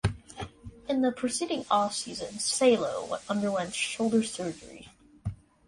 In the proceeding off-season, Salo underwent shoulder surgery.